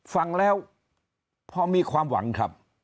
ฟังแล้วพอมีความหวังครับ